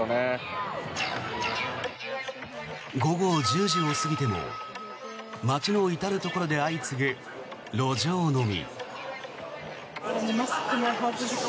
午後１０時を過ぎても街の至るところで相次ぐ路上飲み。